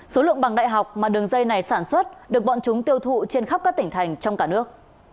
số lượng bằng đại học mà đường dây này sản xuất được bọn chúng tiêu thụ trên khắp các tỉnh thành trong cả nước